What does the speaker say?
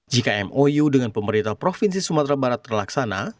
jika mou dengan pemerintah provinsi sumatera barat terlaksana